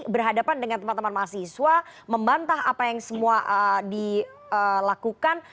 berhadapan dengan teman teman mahasiswa membantah apa yang semua dilakukan